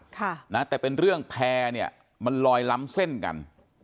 ค่ะนะแต่เป็นเรื่องแพร่เนี่ยมันลอยล้ำเส้นกัน